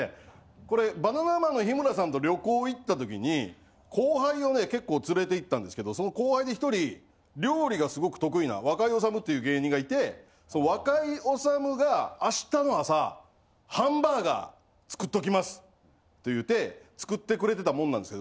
これバナナマンの日村さんと旅行行ったときに後輩をね結構連れて行ったんですけどその後輩で１人料理がすごく得意な若井おさむっていう芸人がいてその若井おさむが「明日の朝ハンバーガー作っときます」と言うて作ってくれてたもんなんですけど。